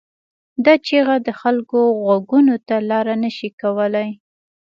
دا چیغه د خلکو غوږونو ته لاره نه شي کولای.